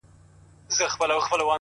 د انسان ځواک په صبر کې پټ دی؛